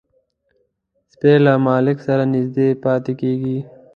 سپي له مالک سره نږدې پاتې کېږي.